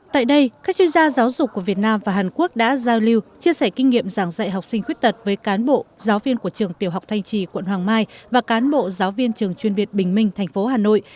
tại đây các chuyên gia giáo dục của việt nam và hàn quốc đã giao lưu chia sẻ kinh nghiệm giảng dạy học sinh khuyết tật với cán bộ giáo viên của trường tiểu học thanh trì quận hoàng mai và cán bộ giáo viên trường chuyên việt bình minh thành phố hà nội